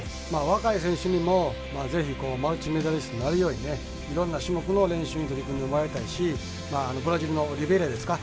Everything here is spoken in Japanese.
若い選手にも是非マルチメダリストになるようにねいろんな種目の練習に取り組んでもらいたいしブラジルのオリベイラですか？